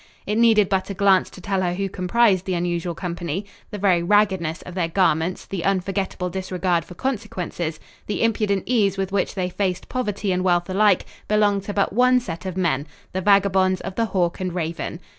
It needed but a glance to tell her who comprised the unusual company. The very raggedness of their garments, the unforgetable disregard for consequences, the impudent ease with which they faced poverty and wealth alike, belonged to but one set of men the vagabonds of the Hawk and Raven.